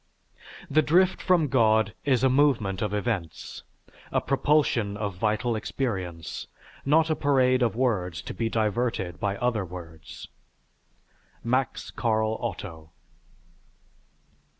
_The drift from God is a movement of events, a propulsion of vital experience, not a parade of words to be diverted by other words_. MAX CARL OTTO.